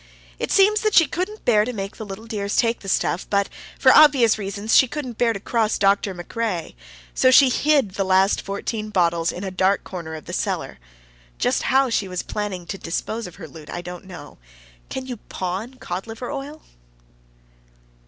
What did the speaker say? It seems that she couldn't bear to make the little dears take the stuff, but, for obvious reasons, she couldn't bear to cross Dr. MacRae, so she hid the last fourteen bottles in a dark corner of the cellar. Just how she was planning to dispose of her loot I don't know. Can you pawn cod liver oil?